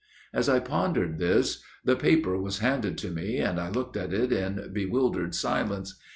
As I pondered this the paper was handed to me, and I looked at it in bewildered silence.